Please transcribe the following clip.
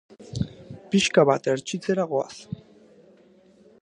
Pixka bat hertsitzera goaz.